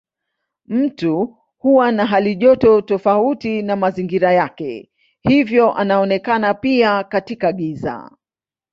Mtu huwa na halijoto tofauti na mazingira yake hivyo anaonekana pia katika giza.